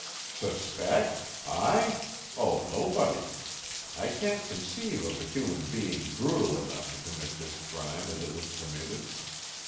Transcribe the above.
"Suspect? I? Oh, nobody. I can't conceive of a human being brutal enough to commit this crime as it was committed.